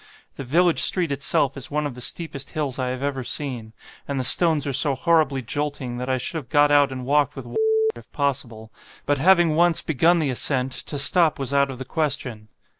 The village street itself is one of the steepest hills I have ever seen, and the stones are so horribly jolting that I should have got out and walked with W , if possible, but, having once begun the ascent, to stop was out of the question.